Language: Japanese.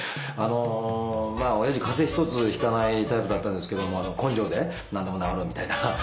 あのまあおやじ風邪一つひかないタイプだったんですけども根性で何でも治るみたいな。